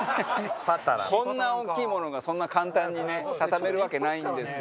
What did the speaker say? こんな大きいものがそんな簡単にね畳めるわけないんですよ。